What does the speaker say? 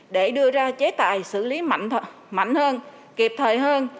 để đưa ra chế tài xử lý mạnh hơn kịp thời hơn